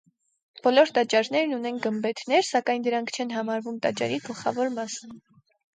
Բոլոր տաճարներն ունեն գմբեթներ, սակայն դրանք չեն համարվում տաճարի գլխավոր մաս։